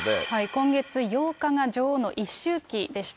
今月８日が女王の一周忌でした。